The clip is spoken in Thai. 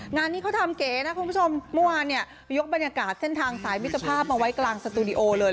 งานนี้เขาทำเก๋นะคุณผู้ชมเมื่อวานเนี่ยยกบรรยากาศเส้นทางสายมิตรภาพมาไว้กลางสตูดิโอเลย